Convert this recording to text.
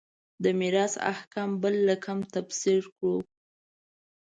د میراث احکام بل رقم تفسیر کړو.